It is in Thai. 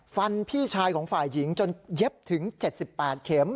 พี่ชายของฝ่ายหญิงจนเย็บถึง๗๘เข็ม